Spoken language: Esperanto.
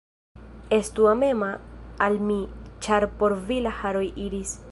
Estu amema al mi, ĉar por vi la haroj iris.